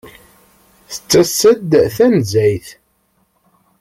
Tettas-d tanezzayt.